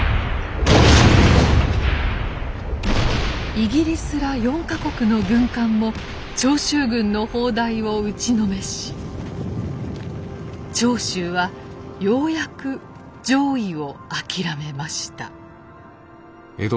イギリスら４か国の軍艦も長州軍の砲台を打ちのめし長州はようやく攘夷を諦めました。